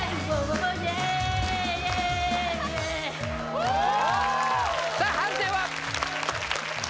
おさあ判定は？